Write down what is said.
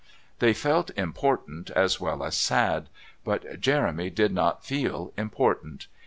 They felt important as well as sad. But Jeremy did not feel important.